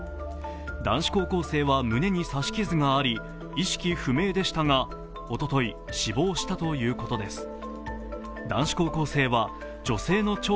男子高校生は胸に刺し傷があり、意識不明でしたが、おととい死亡したということです。